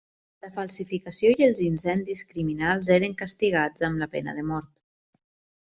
La falsificació i els incendis criminals eren castigats amb la pena de mort.